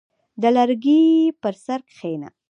• د لرګي پر سر کښېنه.